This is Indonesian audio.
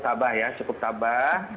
cukup sabah ya cukup sabah